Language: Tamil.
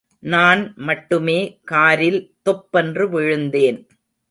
நான் மட்டுமே காரில் தொப்பென்று விழுந்தேன்.